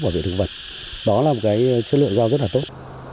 bảo vệ thực vật đó là một chất lượng rau rất tốt